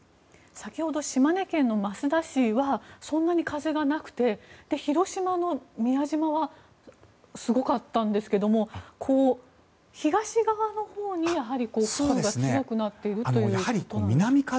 先ほどの島根県益田市はそんなに風がなくて広島の宮島はすごかったんですけども東側のほうにやはり風雨が強くなっているということなんでしょうか。